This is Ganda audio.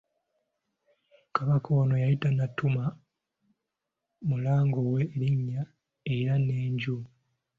Kabaka ono yali tannatuuma Mulango we linnya, era n'enju.